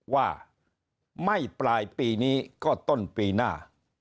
ว่าไม่ปลายปีนี้ก็ต้นปีหน้า